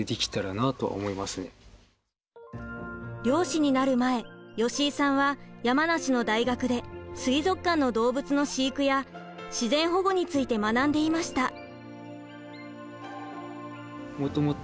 漁師になる前吉井さんは山梨の大学で水族館の動物の飼育や自然保護について学んでいました。